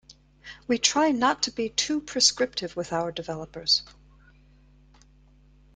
We try not to be too prescriptive with our developers.